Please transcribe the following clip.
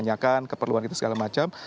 mencari menanyakan keperluan itu segala macam